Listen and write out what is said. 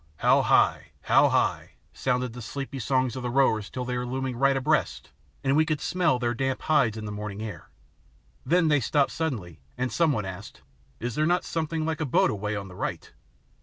How high, how high!" sounded the sleepy song of the rowers till they were looming right abreast and we could smell their damp hides in the morning air. Then they stopped suddenly and some one asked, "Is there not something like a boat away on the right?"